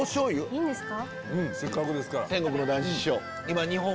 いいんですか？